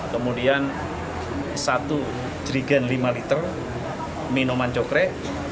kemudian satu jerigen lima liter minuman cokre